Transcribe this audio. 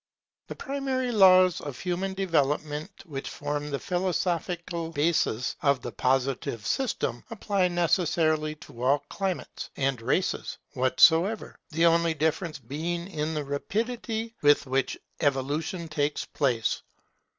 The primary laws of human development which form the philosophical basis of the Positive system, apply necessarily to all climates and races whatsoever, the only difference being in the rapidity with which evolution takes place.